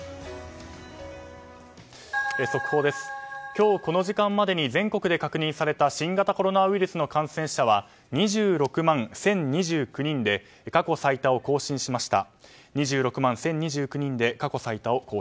今日この時間までに全国で確認された新型コロナウイルスの感染者は２６万１０２９人で過去最多を更新しました。